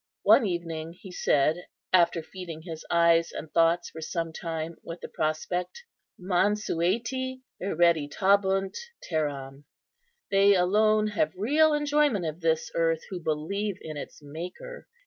One evening he said, after feeding his eyes and thoughts for some time with the prospect, " 'Mansueti hereditabunt terram.' They alone have real enjoyment of this earth who believe in its Maker.